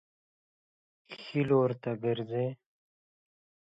ښي لوري ته ګرځئ